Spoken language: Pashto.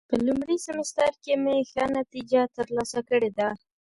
په لومړي سمستر کې مې ښه نتیجه ترلاسه کړې ده.